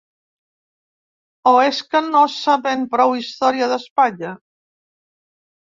O és que no sabem prou història d'Espanya?